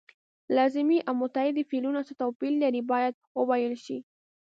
لازمي او متعدي فعلونه څه توپیر لري باید وویل شي.